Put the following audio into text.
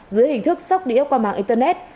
với hình thức sóc đĩa qua mạng internet